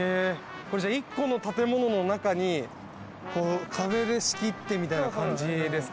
これじゃあ１個の建物の中に壁で仕切ってみたいな感じですか？